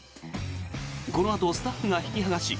このあと、スタッフが引き剥がし